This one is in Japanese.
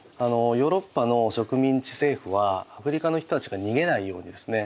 ヨーロッパの植民地政府はアフリカの人たちが逃げないようにですね